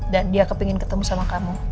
dan dia kepengen ketemu sama kamu